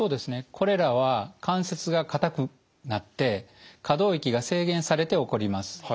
これらは関節が硬くなって可動域が制限されて起こります。